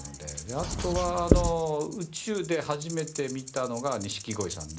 あとは宇宙で初めて見たのが錦鯉さんで。